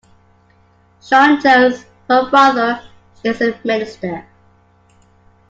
Shawn Jones, her father, is a minister.